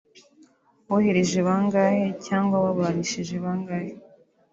bohereje bangahe cyangwa baburanishije bangahe